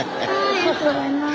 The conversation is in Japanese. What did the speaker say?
ありがとうございます。